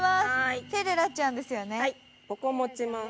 ここを持ちます